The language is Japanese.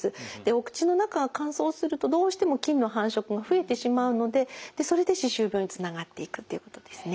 お口の中が乾燥するとどうしても菌の繁殖が増えてしまうのでそれで歯周病につながっていくっていうことですね。